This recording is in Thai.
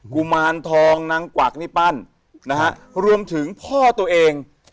กุมารทองนางกวักนี่ปั้นนะฮะรวมถึงพ่อตัวเอง